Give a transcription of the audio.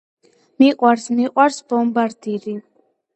მიყვარს მიყვარს ბომბარდირი.